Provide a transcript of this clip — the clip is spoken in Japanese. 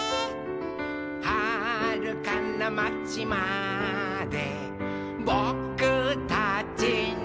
「はるかなまちまでぼくたちの」